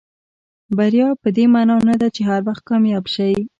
بریا پدې معنا نه ده چې هر وخت کامیاب شئ.